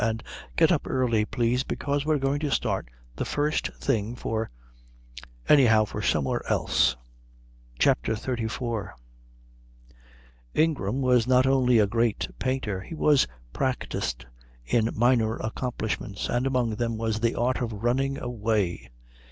And get up early, please, because we're going to start the first thing for anyhow, for somewhere else." CHAPTER XXXIV Ingram was not only a great painter, he was practised in minor accomplishments, and among them was the art of running away.